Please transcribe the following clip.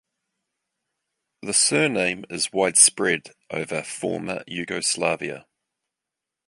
The surname is widespread over former Yugoslavia.